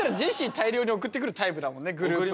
大量に送ってくるタイプだもんねグループ。